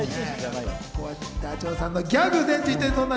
ダチョウさんのギャグで。